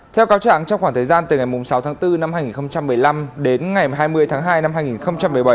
theo cáo trạng trong khoảng thời gian từ ngày sáu tháng bốn năm hai nghìn một mươi năm đến ngày hai mươi tháng hai năm hai nghìn một mươi bảy